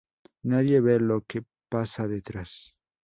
Nadie ve lo que pasa detrás.